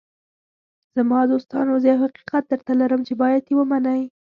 “زما دوستانو، زه یو حقیقت درته لرم چې باید یې ومنئ.